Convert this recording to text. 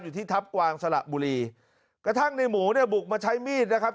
อยู่ที่ทัพกวางสละบุรีกระทั่งในหมูเนี่ยบุกมาใช้มีดนะครับ